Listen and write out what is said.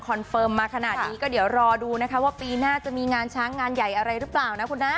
เฟิร์มมาขนาดนี้ก็เดี๋ยวรอดูนะคะว่าปีหน้าจะมีงานช้างงานใหญ่อะไรหรือเปล่านะคุณนะ